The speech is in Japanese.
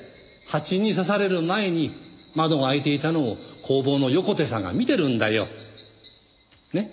ハチに刺される前に窓が開いていたのを工房の横手さんが見てるんだよ。ね？